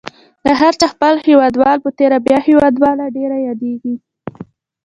د هر چا خپل هیوادوال په تېره بیا هیوادواله ډېره یادیږي.